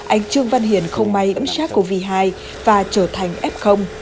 anh trương văn hiển không may ấm sát covid hai và trở thành f